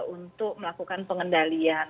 untuk melakukan pengendalian